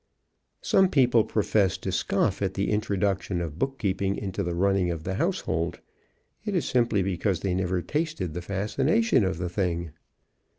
"] Some people profess to scoff at the introduction of bookkeeping into the running of the household. It is simply because they never tasted the fascination of the thing.